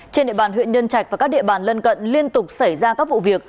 trên nệ bàn huyện nhân trạch và các nệ bàn lân cận liên tục xảy ra các vụ việc